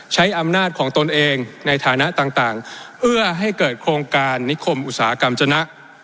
ใช้อำนาจของตนเองในฐานะต่างเอื้อให้เกิดโครงการนิคมอุตสาหกรรมจนะ